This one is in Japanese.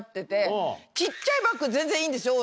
小っちゃいバッグ全然いいんですよ